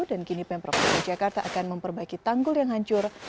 dan kini pemprov dki jakarta akan memperbaiki tanggul yang hancur